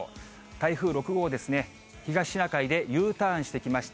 台風６号ですね、東シナ海でＵターンしてきました。